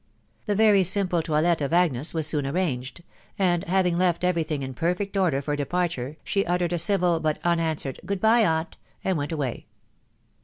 The very simple toilet of Agnes was soon arranged ; and having left every thing in perfect order for departure, she ut tered a civil but unanswered " Good by, aunt," and went awav.